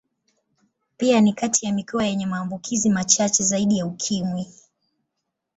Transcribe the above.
Pia ni kati ya mikoa yenye maambukizi machache zaidi ya Ukimwi.